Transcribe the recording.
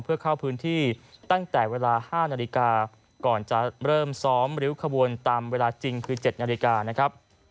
เพื่อเข้าพื้นที่ตั้งแต่เวลา๕นาฬิกาก่อนจะเริ่มซ้อมริ้วขบวนตามเวลาจริงคือ๗นาฬิกานะครับ